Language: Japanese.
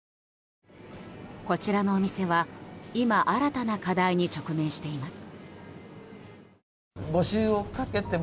こちらのお店は、今新たな課題に直面しています。